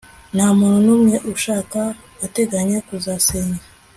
nta muntu n'umwe ushaka ateganya kuzasenya